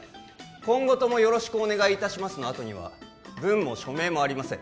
「今後とも宜しくお願い致します」のあとには文も署名もありません